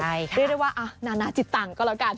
เรียกได้ว่านานาจิตตังค์ก็แล้วกัน